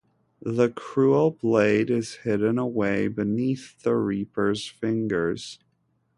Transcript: The cruel blade is hidden away beneath the reaper's fingers.